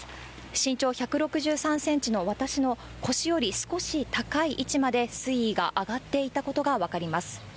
身長１６３センチの私の腰より少し高い位置まで水位が上がっていたことが分かります。